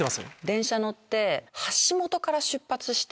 電車乗って。